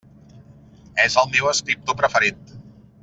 És el meu escriptor preferit.